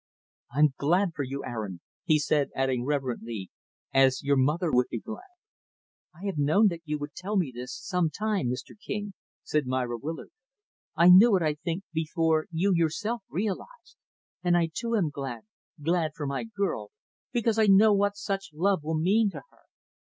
"I'm glad for you, Aaron" he said, adding reverently "as your mother would be glad." "I have known that you would tell me this, sometime Mr. King," said Myra Willard. "I knew it, I think, before you, yourself, realized; and I, too, am glad glad for my girl, because I know what such a love will mean to her.